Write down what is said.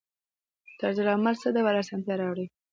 طرزالعمل څه ډول اسانتیا راوړي؟